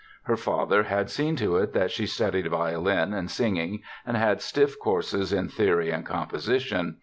Her father had seen to it that she studied violin and singing and had stiff courses in theory and composition.